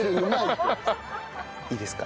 いいですか？